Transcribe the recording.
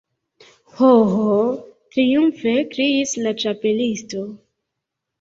"Ho, ho!" triumfe kriis la Ĉapelisto.